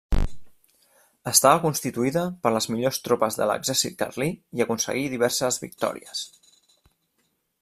Estava constituïda per les millors tropes de l'exèrcit carlí i aconseguí diverses victòries.